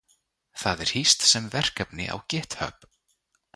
Það er hýst sem verkefni á GitHub.